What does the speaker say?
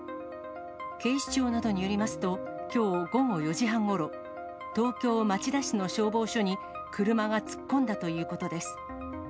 警視庁などによりますと、きょう午後４時半ごろ、東京・町田市の消防署に車が突っ込んだということです。